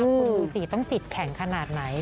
คนดูสีต้องติดแข็งขนาดไหน